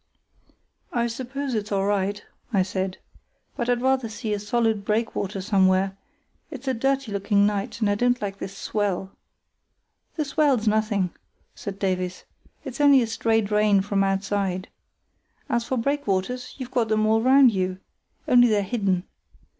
"I suppose it's all right," I said, "but I'd rather see a solid breakwater somewhere; it's a dirty looking night, and I don't like this swell." "The swell's nothing," said Davies; "it's only a stray drain from outside. As for breakwaters, you've got them all round you, only they're hidden.